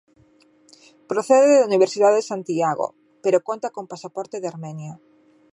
Procede da Universidade de Santiago, pero conta con pasaporte de Armenia.